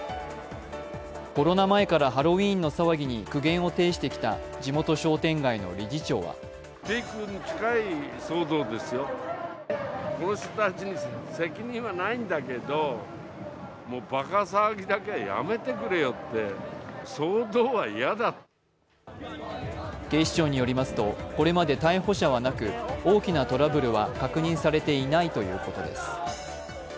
コロナ前からハロウィーンの騒ぎに苦言を呈してきた地元商店街の理事長は警視庁によりますと、これまで逮捕者はなく、大きなトラブルは確認されていないということです。